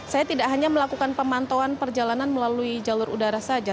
saya tidak hanya melakukan pemantauan perjalanan melalui jalur udara saja